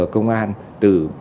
công an từ